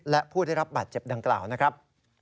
และผู้ได้รับบาดเจ็บดังกล่าวนะครับ